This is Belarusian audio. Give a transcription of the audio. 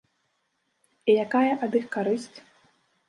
І якая ад іх карысць?